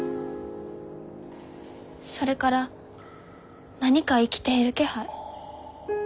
それから何か生きている気配。